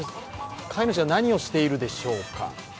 飼い主が何をしているでしょうか？